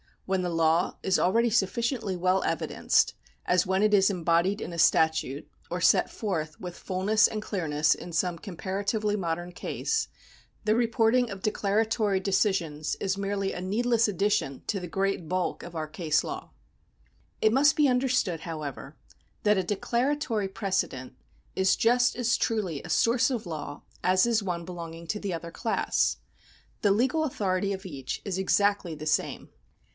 When the law is already sufficiently well evidenced, as when it is embodied in a statute or set forth with fulness and clearness in some comparatively modern case, the report ing of declaratory decisions is merely a needless addition to the great bulk of our case law. It must be understood, however, that a declaratory prece dent is just as truly a source of law as is one belonging to the other class. The legal authority of each is exactly the same.